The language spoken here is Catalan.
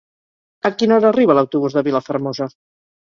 A quina hora arriba l'autobús de Vilafermosa?